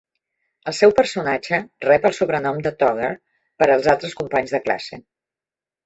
El seu personatge rep el sobrenom de "Togger" pels altres companys de classe.